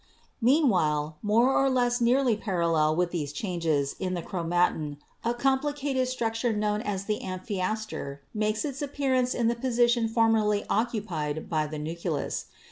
84 BIOLOGY "Meanwhile more or less nearly parallel with these changes in the chromatin a complicated structure known as the amphiaster makes its appearance in the position formerly occupied by the nucleus.